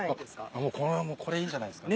この辺もこれいいんじゃないっすか？